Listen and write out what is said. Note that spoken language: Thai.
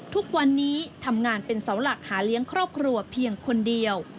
ทุกวันนี้ทำงานเป็นเสาหลักหาเลี้ยงครอบครัวเพียงคนเดียว